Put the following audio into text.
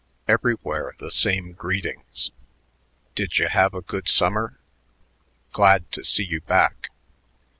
Everywhere the same greetings: "Didya have a good summer? Glad to see you back."